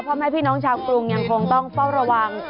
พ่อแม่พี่น้องชาวกรุงยังคงต้องเฝ้าระวัง